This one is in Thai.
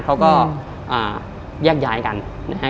เขาก็แยกย้ายกันนะฮะ